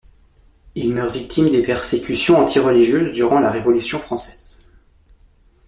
Il meurt victime des persécutions antireligieuses durant la révolution française.